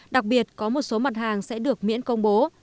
đặc biệt có một số mặt hàng sẽ được miễn công bố